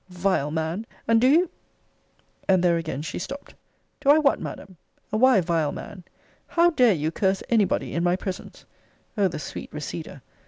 Vile man And do you And there again she stopt. Do I what, Madam? And why vile man? How dare you curse any body in my presence? O the sweet receder!